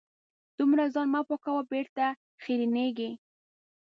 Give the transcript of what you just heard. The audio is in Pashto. دومره ځان مه پاکوه .بېرته خیرنېږې